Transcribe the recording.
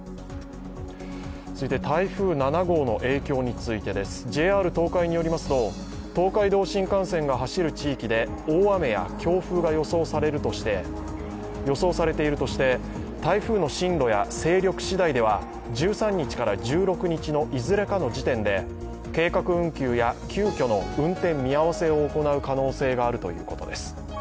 続いて台風７号の影響についてですＪＲ東海によりますと、東海道新幹線が走る地域で大雨や強風が予想されているとして台風の進路や勢力しだいでは、１３日から１６日のいずれかの時点で計画運休や急きょの運転見合わせを行う可能性があるということです。